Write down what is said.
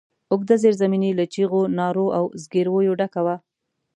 اوږده زېرزميني له چيغو، نارو او زګرويو ډکه وه.